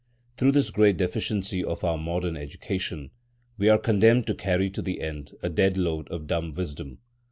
Through this great deficiency of our modern education, we are condemned to carry to the end a dead load of dumb wisdom.